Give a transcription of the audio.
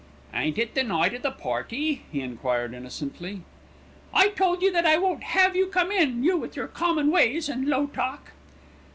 "Ain't it the night of the party?" he enquired innocently. "I told you that I won't have you come in, you with your common ways and low talk."